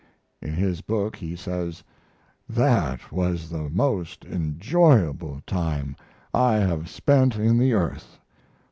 In his book he says: That was the most enjoyable time I have spent in the earth.